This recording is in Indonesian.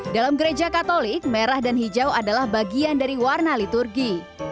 dalam gereja katolik merah dan hijau adalah bagian dari warna liturgi